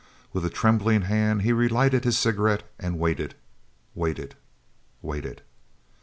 With a trembling hand he relighted his cigarette and waited, waited, waited.